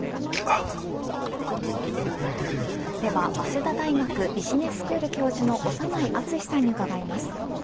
では早稲田大学ビジネススクール教授の長内厚さんに伺います。